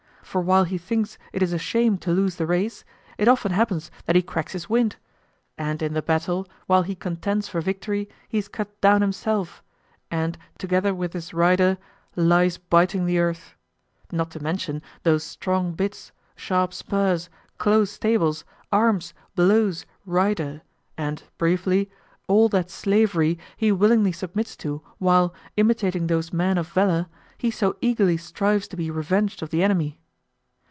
For while he thinks it a shame to lose the race, it often happens that he cracks his wind; and in the battle, while he contends for victory, he's cut down himself, and, together with his rider "lies biting the earth;" not to mention those strong bits, sharp spurs, close stables, arms, blows, rider, and briefly, all that slavery he willingly submits to, while, imitating those men of valor, he so eagerly strives to be revenged of the enemy.